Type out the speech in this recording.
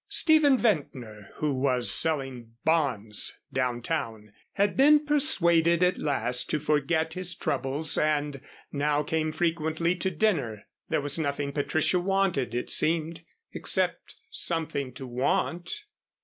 Stephen Ventnor, who was selling bonds down town, had been persuaded at last to forget his troubles and now came frequently to dinner. There was nothing Patricia wanted, it seemed, except something to want.